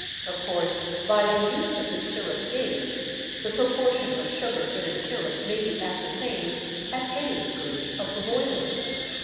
Of course by the use of the sirup gauge the proportion of sugar in a sirup may be ascertained at any stage of the boiling.